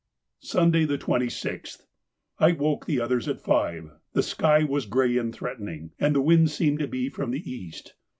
Sunday, the 26th.—I woke the others at five; the sky was grey and threatening, and the wind seemed to be from the east.